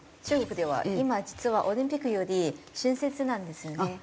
中国では今実はオリンピックより春節なんですよね。